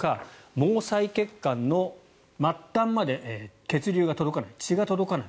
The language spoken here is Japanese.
毛細血管の末端まで血流が届かない血が届かない。